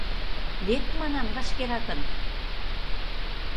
Лек, манам, вашкеракын!